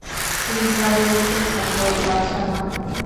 ঠিকভাবে উড়তে থাকো, বাছাধন।